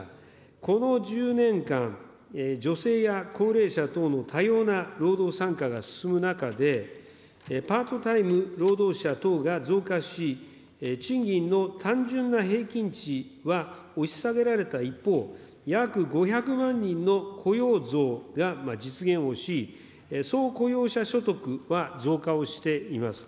この１０年間、女性や高齢者等の多様な労働参加が進む中で、パートタイム労働者等が増加し、賃金の単純な平均値は押し下げられた一方、約５００万人の雇用増が実現をし、総雇用者所得は増加をしています。